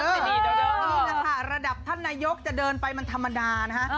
นี่แหละค่ะระดับท่านนายกจะเดินไปมันธรรมดานะคะ